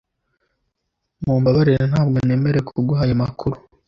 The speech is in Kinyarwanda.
Mumbabarire ntabwo nemerewe kuguha ayo makuru